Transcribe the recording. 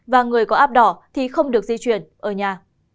và người có app đỏ thì không được di chuyển ở nhà